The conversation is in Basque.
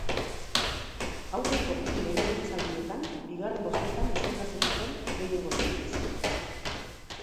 Aurreko bi legegintzaldietan bigarren bozketan izendatu zuten, gehiengo soilez.